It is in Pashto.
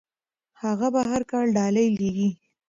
هغه به هر کال ډالۍ لیږي.